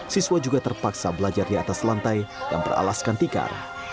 siswa juga terpaksa belajar di atas lantai yang beralaskan tikar